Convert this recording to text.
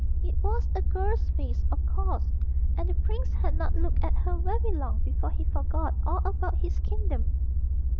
It was a girl's face, of course, and the prince had not looked at her very long before he forgot all about his kingdom.